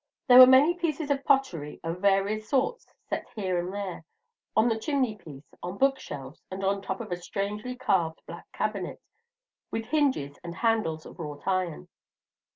There were many pieces of pottery of various sorts, set here and there, on the chimney piece, on book shelves, on the top of a strangely carved black cabinet, with hinges and handles of wrought iron.